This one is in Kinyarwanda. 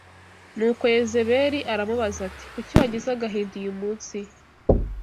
Nuko Yezebeli aramubaza ati kuki wagize agahinda uyu munsi